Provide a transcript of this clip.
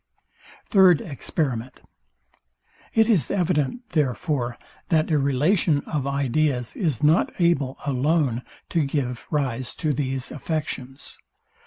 Third Experiment. It is evident, therefore, that a relation of ideas is not able alone to give rise to these affections.